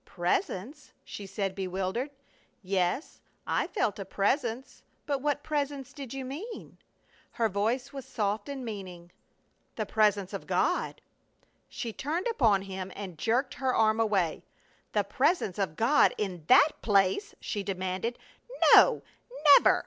"Presence?" she said, bewildered. "Yes, I felt a presence, but what presence did you mean?" Her voice was soft with meaning. "The Presence of God." She turned upon him and jerked her arm away. "The Presence of God in that place?" she demanded. "No! _Never!